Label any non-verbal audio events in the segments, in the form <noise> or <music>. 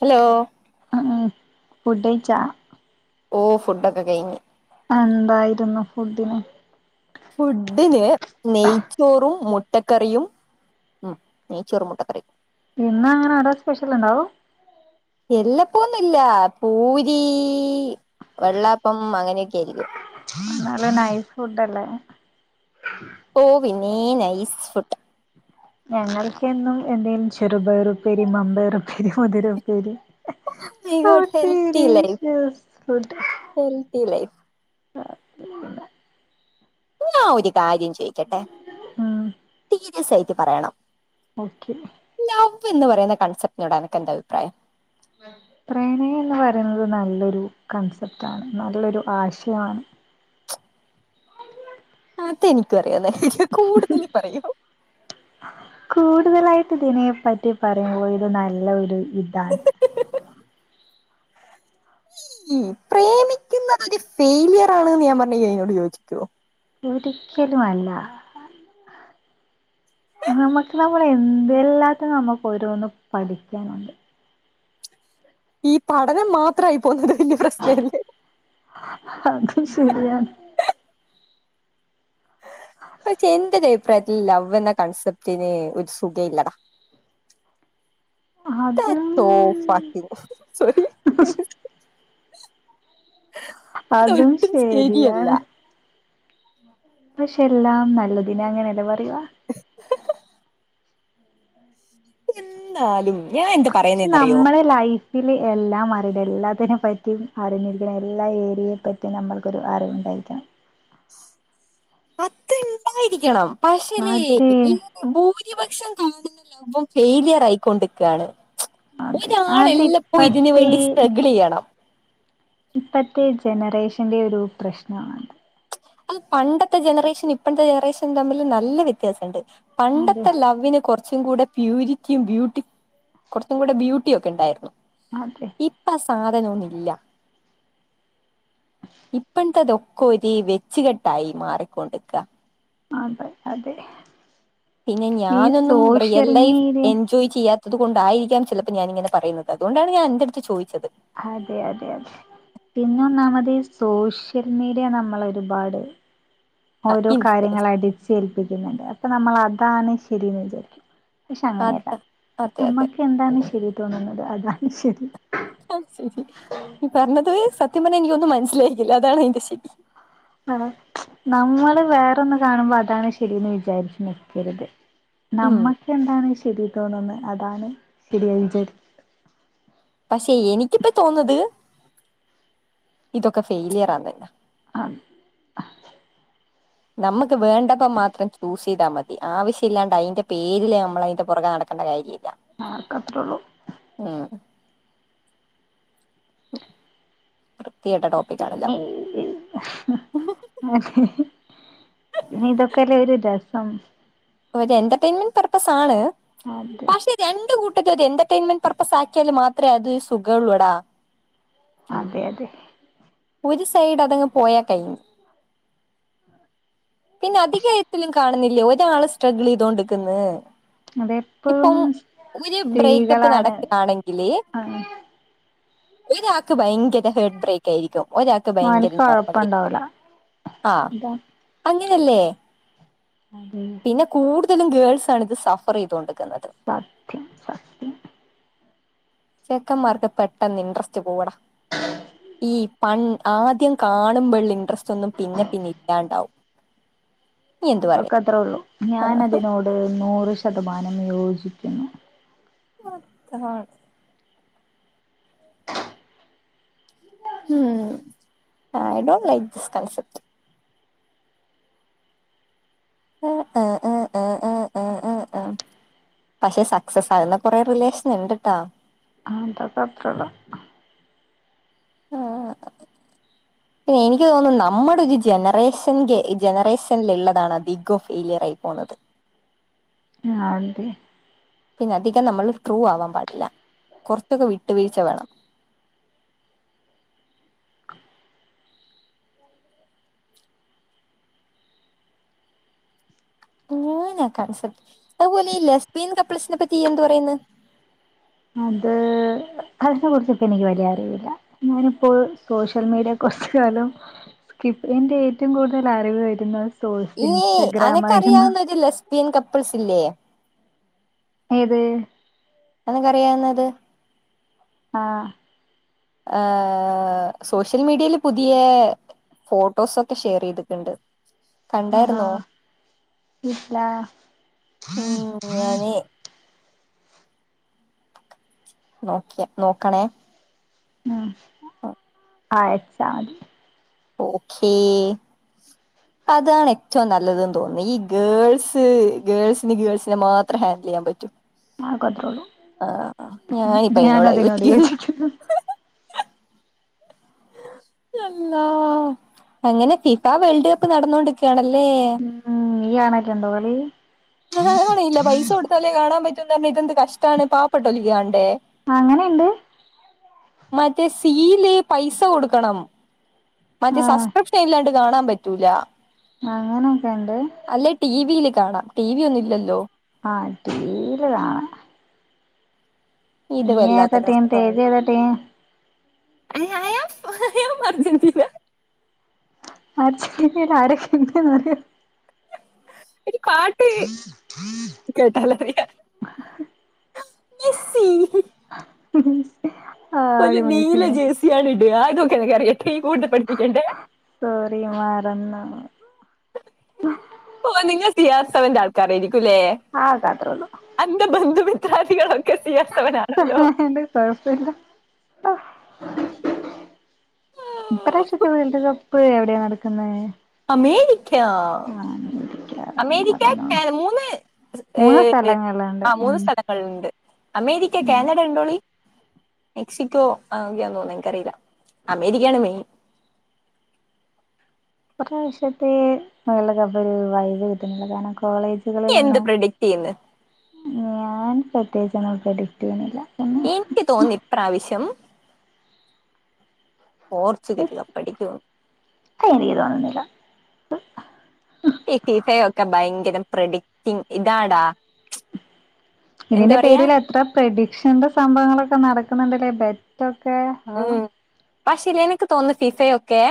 Hello ഫുഡേച്ചാ ഓ ഫുഡൊക്കെ കഴിി ഉണ്ടായിരുന്നു ഫുഡിന് ഫുഡിന് നെയ്ച്ചോറും മുട്ടക്കറിയും ഉ നീ ചെറുമ മുട്ടക്കറിയും പിന്ന അങ്ങനെ അടാ സ്പെഷ്യൽ ഇണ്ടാവും എല്ലപ്പൊന്നുംല്ല പൂരി വെള്ളാപ്പം അങ്ങനെയൊക്കെ ആായിരിക്കും എന്നാല നൈസ് ഫുഡല്ലേ ഓവിനെ നൈസ് ഫുട്ട് ഞങ്ങൾക്ക്ന്നും എന്തേങ്കിലും ചെറുപയറുപ്പേരി മമ്പയറപ്പേരി മുതിര ഉപ്പേര് ഹത്തി ലൈഫ് ഹത്തി ലൈഫ് അ ശരി ഞാൻ ഒരു കാര്യം ചോയിക്കട്ടെ ഉം സീരിയസ് ആയി പറയണം ഓക്കെ എ പറയുന്ന കൺസെപ്റ്റിനോട എനക്ക് എന്റെ അഭിപ്രായം പ്രേണന്ന് പറയുന്നത് നല്ലൊരു കണ്സെപ്റ്റാണ് നല്ലൊരു ആശയമാണ് അ അ എനക്ക്ം കൂടുതൽ പറയൂ കൂടുതലായിട്ട് ഇതിനെ പറ്റി പറയുമ്പോൾ ഇത് നല്ല ഒരു ഇതാണ് പ്രേമിക്കുന്നത്ത് ഫെയിലിയർ ആാണ്ന്ന് ഞാൻ പറഞ്ഞ അോട് ചോദിച്ചിക്കുവോ ഒരിക്കലും അല്ല നമ്മുക്ക് നമ്മൾ എന്തെല്ലാത്തും നമ്മുക്ക് ഓരോന്ന്ും പഠിക്കാനുണ്ട് ഈ പഠനം മാത്രമായി പോന്നത് ഇ പ്രശ്ന എല്ലേ ശ ശരിയ പ ചെ എന്ത ത ്രൽ ലവ് എന്ന കോൺസെപ്റ്റിന് ഒരു സുഖ ഇല്ലടാ അതും ത ഫാാക്കി സോ അതും അതൊട്ടും ശരിയല്ല ശരിയാണ് പക്ഷെ എല്ലാം നല്ലതിന് അങ്ങനെയല്ല പറയുക എന്നാലും ഞാൻ എന്താ പക്ഷെ പറയുന്നതെന്നറിയോ നമ്മുടെ ലൈഫ് ഇതിൽ എല്ലാം അറിയിണം എല്ലാത്തിനെ പറ്റിയും അറിഞ്ഞിരിക്കണം എല്ലാ ഏരിയെ പറ്റിയും നമ്മൾക്കൊരു അറിവുണ്ടായിരിക്കണം അത്ര ഉണ്ടായിരിക്കണം ആത്ശരി അതെ ഇ ഭൂരിപക്ഷം കാണുന്ന ലോകം ഫെയിലിയർ ആയിക്കൊണ്ടിരിക്കുകയാണ് അതെ അത് ഒരാളെല്ലപ്പോ ഇതിനന് ഇപ്പത്തെ വേണ്ടി സ്ട്രഗിള് ചെയ്യണം ഇപ്പത്തെ ജനറേഷന്റെ ഒരു പ്രശ്നമാണ് അത് പണ്ടത്തെ ജനറേഷൻ ഇപ്പഴത്തെ ജനറേഷൻ തമ്മില് നല്ല വ്യത്യാസമുണ്ട് അതെ പണ്ടത്തെ ലവ്വിന് കുറച്ച് കുറച്ചും കൂടെ പ്യൂരിറ്റിയും ബ്യൂട്ടി കുറച്ചും കൂടെ ബ്യൂട്ടിയക്കെ ഉണ്ടായിരുന്നു അതെ ഇപ്പ സാധനൊന്നുമില്ല ഇപ്പഴത്തെതൊക്കെ ഒരി വെച്ചുകെട്ടായി മാറിക്കൊണ്ടിക്ക അതെ അതെ പിന്നെ ഈ ഞാനൊന്നും real social life media enjoy ചെയ്യാ- ത്തതുകൊണ്ടായിരിക്കാം ചിലപ്പോ ഞാനിങ്ങനെ പറയുന്നത് അതുകൊണ്ടാണ് ഞാൻ അന്റെ അടുത്ത് ചോദിച്ചത് അതെ അതെ അതെ പിന്നൊന്നാമത് സോഷ്യൽ മീഡിയ നമ്മൾ ഒരുപാട് ആ ഓരോ ഇൻഫ്ലുവൻസ് കാര്യങ്ങള് അടിച്ചേൽപ്പി തുണ്ട് അപ്പൊ നമ്മൾ അതാണ് ശരിയെന്ന് വിചാരിക്കും പക്ഷെ അത അങ്ങനെയല്ല അതെ അതെ നമ്മക്ക് എന്താന്ന് ശരി തോന്ന്ണത് അതാണ് ശരി ആ ശരി ഈ പറഞ്ഞത് സത്യം പറഞ്ഞാൽ എനിക്കൊന്നും മനസ്സിലായില്ല അതാണ് അതിന്റെ ശരി ആണോ നമ്മള് വേറൊന്ന് കാണുമ്പോ അതാണ് ശരിന്ന് വിചാരിച്ചു നിക്കരുത് ഉം നമ്മക്ക് എന്താണ് ശരി തോന്നുന്നേ അതാണ് പിടിയ പക്ഷെ എനിക്കിപ്പ തോന്നത് ഇതൊക്കെ ഫെയിലിയറാന്ന് അ നമുക്ക് വേണ്ടപ്പോ മാത്രം ചൂസ് ചെയ്താൽ മതി ആവശ്യ ഇല്ലാണ്ട് അതിന്റെ പേരില് നമ്മൾ അതിന്റെ പുറകെ നടക്കേണ്ട കാര്യ ആകെ അത്രെള്ളൂ വൃത്തികെട്ട ടോപ്പിക്കാണ് പിന്ന ലവ് അ ഇതൊക്കെല്ലേ ഒരു രസ സം ഒരു എന്റർടൈൻമെന്റ് പർപ്പസ് ആണ് അതെ പക്ഷേ രണ്ട് കു എന്റർടെയ്ൻമെന്റ് പർപ്പസ് ആക്കിയാല് മാത്രേ അത് സുഖള്ളൂ എടാ അതെ അതെ ഒരു സൈഡ് അതങ്ങ് പോയാ കഴിഞ്ഞു പിന്നെ അധിക എഴുത്തിലും കാണുന്ന ഇ ഇല്ല ഒരാള് സ്ട്രഗിൾ ചെയ്തോണ്ട്ക്ക്ന്ന് അതെപ്പോഴും ഇപ്പം ഒരു ബ്രേക്കപ്പ് സ്ത്രീകളാണ് നടക്കയാണെങ്കില് ആഹ് ഒരാക്ക് ഭയങ്കര ഹേർട്ട് ബ്രേക്ക് ആയിരിക്കും ഒരാക്ക് ഭയങ്കര മോന്ക്ക് നർമ്മ <unintelligible> കൊഴപ്പണ്ടാവൂല ആ ഇതാ അങ്ങനെ ഇല്ലേ അതെ പിന്നെ കൂടു തലും ഗേൾസ് ആണ് ഇത് സഫറെയ്തോണ്ട് സത്യം സത്യം ചെക്കന്മാർക്ക് പെട്ടെന്ന് ഇൻട്രസ്റ്റ് പോവെടാ ഈ പൺ ആദ്യം കാണുമ്പോള്ള ഇൻട്രസ് നീ എന്ത് പറയാ അതൊക്കെ അത്ര ഒള്ളു ഞാൻ ആഹ് അതിനോട് നൂറ് ശതമാനം യോജിക്കുന്നു <unintelligible> ഉം I don't like this concept ആ ആ ആ ആ ആ ആ ആ ആ പക്ഷെ സക്സസ് ആയ്ള്ള കൊറെ റിലേഷൻ ഇണ്ട്ട്ടാ ആ ഇതൊക്കത്രള്ളൂ ആ പിന്നെ എനിക്ക് തോന്നുന്നു നമ്മടൊരു ഒര ജനറേഷൻ ജനറേഷനൽള്ളതാണ് അതികം ഫെയിലിയർ ആയി പോണത് ആ ണ്ട് പിന്നെ അധികം നമ്മൾ ട്രൂ ആവാൻ പാടില്ല കൊറച്ചൊക്കെ വിട്ടുവീഴ്ച വേണം <unintelligible> കൺസെപ്റ്റ് അതുപോലെ ഈ ലെസ്ബിയൻ കപ്പിൾസിനെ പറ്റി യ്യ് എന്ത് പറയ്ന്ന് അത് അതിനെ കുറിച്ച് ഇപ്പോ എനിക്ക് വലിയ അറിവില്ല ഞാനിപ്പോൾ സോഷ്യൽ മീഡിയ കൊറച്ച് കാലം സ്കിപ്പ് ന്റെ ഏറ്റവും കൂടുതൽ അറിവ് വരുന്നത് ഇയ്യ് അനക്കറിയാവുന്ന ഒരു ലെസ്ബിയൻ കപ്പിൾസ് ഇല്ലേ ഏത് അനക്കറിയാവുന്നത് ആ ഏ സോഷ്യൽ മീഡിയയില് പുതിയ ഫോട്ടോസൊക്കെ ഷെയർ ചെയ്തിട്ടുണ്ട് ആണാ കണ്ടായിരുന്നോ ഇല്ല ഉം ഞാന് നോക്കിയ നോക്കണേ ആഹ് അ അയച്ചാ മതി ഓക്കേ അതാണ് ഏറ്റവും നല്ലതെന്ന് തോന്നുന്നു ഈ ഗേൾസ് ഗേൾസിന് ഗേൾസ് മാത്രേ ഹാൻഡി ലെയ്യാൻ പറ്റൂ അതക്കത്രൊള്ളു ആ പ്പ ഞാനിപ്പ അതിനോടാ യോജിക്കുന്ന് യോജിക്കുന്നു അല്ലാ അങ്ങനെ ഫിഫ വേൾഡ് കപ്പ് നടന്നോണ്ട്ക്കാണ് അല്ലേ നീ കാണണ്ട കളി കണ്ണനില ഇല്ല പൈസ കൊടുത്താലേ കാണാൻ പറ്റൂ <inaudible> പാവപ്പെട്ടലിക്ക കാണണ്ടേ അങ്ങനെണ്ട് മറ്റേ സീയില് പൈസ കൊടുക്കണം മറ്റേ ആഹ് സബ്സ്ക്രിപ്റ്റ് ഇല്ലാണ്ട് കാണാൻ പറ്റൂല അങ്ങനൊക്കെ ഇണ്ട് അല്ലെ ടിവിയില് കാണാം ടി വി ഒന്നും ഇല്ലല്ലോ ടിവിയിൽ കാണാൻ നീ ഇത് ഏത വല്ലാത്ത ടീം തേജ ഏത ടീം ഐ എം അർജന്റീന ആ ചെട ആരൊക്കെ എന്ന് പറ ഒരു പാട്ട് കേട്ടാല അറിയ മെസ്സി ഉ ഇല് നീല ജേസിയാണ് അതൊക്കെ എനിക്ക് അറിയട്ടോ സോറി മറന്നു പോ നിങ്ങ സീ ര സവന്റെ ആൾക്കാരായിരിക്കും ആയിരിക്കും ആകെ അത്രേ എൻ്റെ ബന്ധു <inaudible> <inaudible> എന്ത കുഴപ്പമൊന്നുമില്ല ഇപ്രാവശ്യത്തെ വേൾഡ് കപ്പ് എവിടെയാണ് നടക്കുന്നത് മേരി അമേരിക്ക അമേരിക്ക മറന്നു അമേരിക്ക മൂന്ന് മൂന്ന് ഏ സ്ഥലങ്ങളിലുണ്ട് ആ മൂന്ന് ഉം സ്ഥലങ്ങളിൽണ്ട് അമേരിക്ക കാനഡ ഉണ്ടോളി മെക്സിക്കോ ആ തോന്നുന്നു എനിക്കറിയില്ല അമേരിക്കയാണ് മെയിൻ പ്രാവശ്യത്തെ വേൾഡ് കപ്പ് ഒരു വൈബ് കിട്ടുന്നില്ല കാണാൻ കോളേജുകൾ നീ എന്ത് ഒന്നും പ്രൊഡിക്ട് ചെയ്യുന്നു ഞാൻ പ്രത്യേകിച്ച് നമുക്ക് പ്രടിക്ട് ചെയ്യുന്നില്ല പിന്നെ എനിക്ക് തോന്നി ഇപ്രാവശ്യം പോർച്ചുഗല കപ്പാടിക്കുന്നു ഇപ്പം എനിക്ക് തോന്നുന്നില്ല ഈ ഫിഫയൊക്കെ ഭയങ്കര പ്രഡിറ്റിങ് ഇതാടാ എന്താ ഇതിന്റെ പറയാ പേരിൽ എത്ര പ്രഡി പക്ഷേ എന്റെ സംഭവങ്ങളൊക്കെ നടക്കുന്നുണ്ടല്ലേ ബെറ്റർ പക്ഷേ ആ പക്ഷെ ഇല്ല എനിക്ക് തോന്നുന്നു ഫിഫയൊക്കെ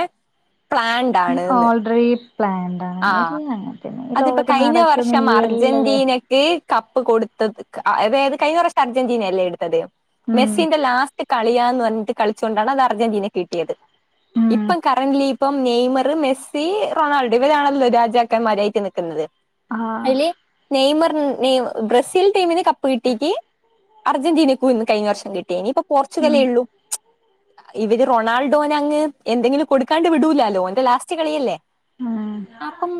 പ്ലാൻഡ് ആണ്ന്ന് ഓൾറെഡി പ്ലാൻഡ് ആണ് ആ എല്ലാം അങ്ങനെ തന്നെ ഈ അതിപ്പ ലോകത്ത് കഴിഞ്ഞ നടക്കുന്ന വർഷം ഈ എല്ലത് അർജന്റീനക്ക് കപ്പ് കൊടുത്തത് ആ അതായത് കഴിഞ്ഞ പ്രാവശൃം അർജന്റീനയല്ലേ എടുത്തത് ഉം മെസ്സീന്റെ ലാസ്റ്റ് കളിയാന്ന് പ ഇതിനാത്ത് കളിച്ചോണ്ടാണ് അത് അർജന്റീനക്ക് കിട്ടിയത് ഉം ഇപ്പം കറണ്ട്ലി ഇപ്പം നെയ്മർ മെസ്സി റൊണാൾ ഇവരാണല്ലോ രാജാക്കൻ മാരായിറ്റ് നിൽക്കുന്നത് ആഹ് അല്ലേ നെയ്മർ മ് നീവ് ബ്രസീൽ ടീമിന് കപ്പ് പീട്ടിക്ക് അർജന്റീനക്കുന്ന് കഴിഞ്ഞ വർഷം കിട്ടിയ ഇനിയിപ്പോ ഉം പോർച്ചുഗലേ ഉള്ളൂ ഇവര് റൊണാൾഡോന് അങ്ങ് എന്തെങ്കിലും കൊടുക്കാണ്ട് വിടൂല്ലാലോ എന്റെ ലാസ്റ്റ് കളിയല്ലേ ഉം അപ്പം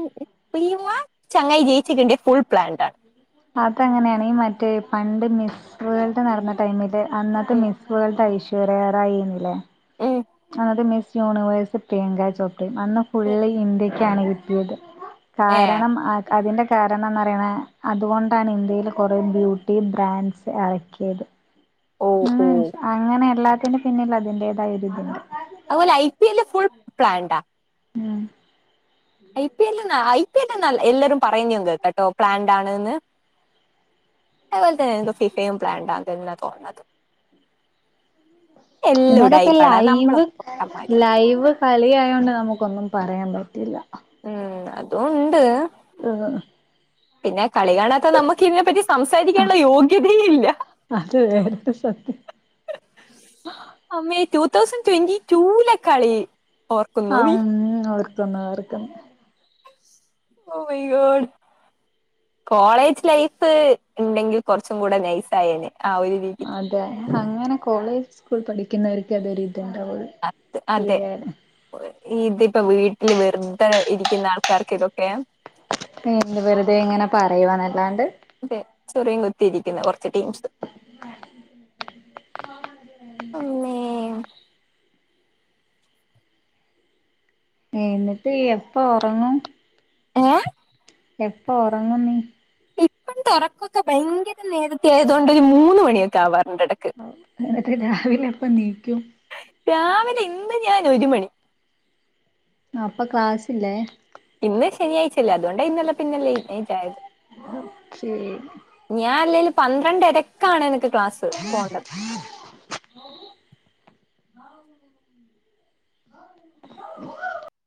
പെയ്യുമ്മ ച ചങ്ങായി ജയിച്ചിട്ടണ്ട് ഫുൾ പ്ലാൻഡ് ആണ് അതങ്ങനെയാണ് ഈ മറ്റേ പണ്ട് മിസ് വേൾഡ് നടന്ന ടൈമിൽ അന്നത്തെ ഉം മിസ് വേൾഡ് ഐശൃരൃറായി ആയിരുന്നില്ലേ ഉം അതത് മിസ്സ് യൂണിവ വയസ്സ പ്ങ്കങ്ങങ്ക്യ ച അ ഫി ഇ ക്കെയാണ് കിട്ടിയത് ഏ കാരണം അ അതിന്റെ കാരണന്ന് അറിയണ അതുകൊണ്ടാണ് ഇന്ത്യയിൽ കുറേ ബ്യൂട്ടി ബ്രാൻഡ്സ് ഇറക്കിയത് ഓ ആ ഓ മനിഷ് അങ്ങനെ അല്ലാ അപ്പ പിന്നെ പിന്നെയും വന്നില്ല ധൈരൃവൊക്കെയായിട്ട് അതുപോലെ ഐ പി എല്ല് ഫുൾ പ്ലാൻഡാ ഇന്നെന്താ ഇത് നല് എല്ലാരും പറയുന്ന എന്തോ കേട്ടോ പ്ലാൻഡ് ആണ്ന്ന് അതേപോലെ തന്നെ എന്തോ ഫിഫയും പ്ലാൻഡാന്നാതന്ന തോന്നത് പിന്നെ അതൊക്കെ ലൈവ് പൊട്ടന്മാര് ലൈവ് കളി ആയോണ്ട നമുക്കൊന്നും പറയാൻ പറ്റില്ല ഉം അതും ഉണ്ട് ഉം. പിന്നെ കളി കാണാത്ത നമുക്ക് ഇതിനെ പറ്റി ആ, സംസാരിക്കാനുള്ള യോഗ്യതയും ഇല്ല അത് വേറൊരു സത്യം അമ്മേ ടു തൗസൻഡ് ട്വന്റി ട്യൂലെ കളി ഓർക്കുന്നോ ആ നീ ഉ ഓർക്കു - ന്ന്‌ ർക്കുന്ന് oh my God college life ഉണ്ടെങ്കിൽ കുറച്ചും കൂടെ നൈസയേനെ അതെ അങ്ങനെ കോളേജ് സ്കൂൾ പഠ- പുന്നവർക്ക് അതരു ഇത് അ അതെ ഇതിപ്പോ വീട്ടില് വെറുതെ ഇരിക്കുന്ന ആൾക്കാർക്ക് ഇതൊക്കെ നീ എന്ത് വെറുതെ ഇങ്ങനെ പറയുവാന്നല്ലാണ്ട് ചെറിയും കുത്തിയിരിക്കുന്ന കൊറ അമ്മേ എന്നിട്ട് എപ്പ ഉറങ്ങും ഏ എപ്പ ഉറങ്ങ നീ ഇപ്പം തുറക്കൊക്കെ ഭയങ്കര നേരത്തെ ആയതുകൊണ്ട് ഒരു മൂന്ന് മണിയൊക്കെ ആവാറ് അ രാവിലെ അപ്പ നീക്കും രാവിലെ ഇന്ന് ഞാൻ ഒരു മണി അപ്പൊ ക്ലാസ്സില്ലേ ഇന്ന് ശനിയാഴ്ച്ചല്ല അതുകൊണ്ട ഇന്നല്ല പിന്ന ലേറ്റ് നൈറ്റ്‌ ആയത് ശരി ഞാന അല്ലെല് പന്ത്രണ്ടര കാണാനൊക്കെ ക്ലാസ്സ് പോണ്ടത്